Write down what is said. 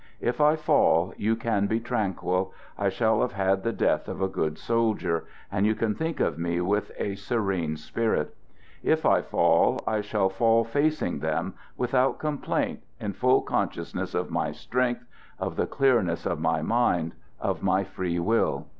If I fall, you can be tranquil; I shall have had the death of a good soldier and you can think of me with a serene spirit. If I fall, I shall fall facing them, without complaint, in full consciousness of my strength, of the clearness of my mind, of my free will.